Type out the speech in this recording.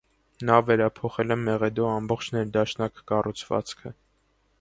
Նա վերափոխել է մեղեդու ամբողջ ներդաշնակ կառուցվածքը։